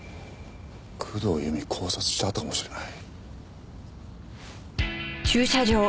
工藤由美を絞殺した跡かもしれない。